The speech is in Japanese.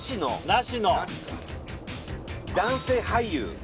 男性俳優？